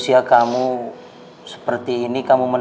coba dulu determining speaking